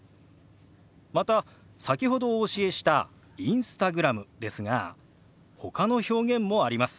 また先ほどお教えした「Ｉｎｓｔａｇｒａｍ」ですがほかの表現もあります。